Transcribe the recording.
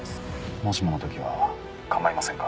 もしもの時は構いませんか？